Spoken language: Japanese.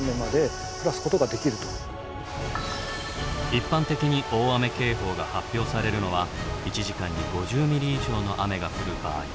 一般的に大雨警報が発表されるのは１時間に５０ｍｍ以上の雨が降る場合。